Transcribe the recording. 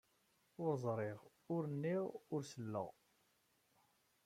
Ur ẓriɣ, ur nniɣ, ur sellaɣ.